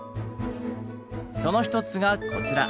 その一つがこちら。